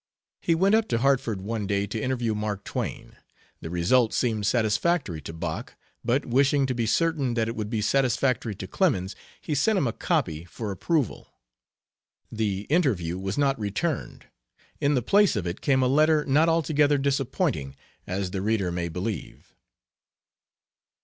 He went up to Hartford one day to interview Mark Twain. The result seemed satisfactory to Bok, but wishing to be certain that it would be satisfactory to Clemens, he sent him a copy for approval. The interview was not returned; in the place of it came a letter not altogether disappointing, as the reader may believe.